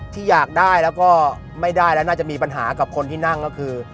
ที่อยากได้แล้วก็ไม่ได้แล้วน่าจะมีปัญหากับคนที่นั่งก็คือ